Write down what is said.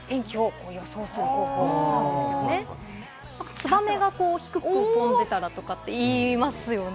ツバメが低く飛んでたらとかって言いますよね？